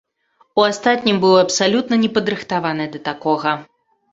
У астатнім быў абсалютна не падрыхтаваны да такога.